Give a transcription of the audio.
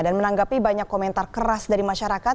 dan menanggapi banyak komentar keras dari masyarakat